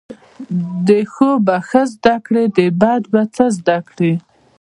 د ښو به ښه زده کړی، د بدو به څه زده کړی